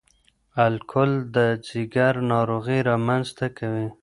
الکول د ځګر ناروغۍ رامنځ ته کوي.